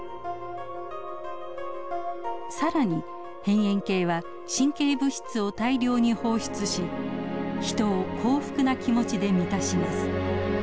更に辺縁系は神経物質を大量に放出し人を幸福な気持ちで満たします。